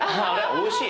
おいしい？